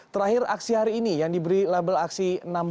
terakhir aksi hari ini yang diberi label aksi enam belas